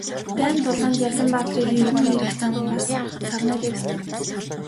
Дайн тулаанд ялсан баатрын эргэн ирэх замд бас сарнай дэвсдэг.